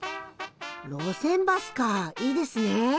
路線バスかいいですね！